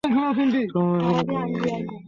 তুমি এগুলো চেন না?